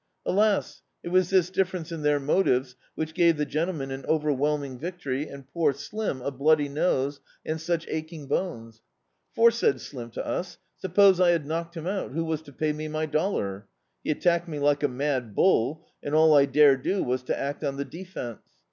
Alas! it was this difference in their motives which gave the gentleman an over whelming victory and poor Slim a bloody nose and such aching bones. "For," said Slim to us, "sup pose I had knocked him out, who was to pay me my dollar? He attacked me like a mad bull, and alt I dare do was to act on the defence.